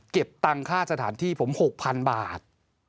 เก็บตังค์ค่าสถานที่ผม๖๐๐๐บาท